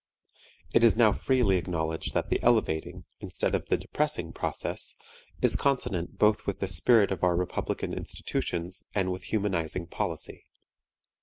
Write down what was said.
It is now freely acknowledged that the elevating, instead of the depressing process, is consonant both with the spirit of our republican institutions and with humanizing policy.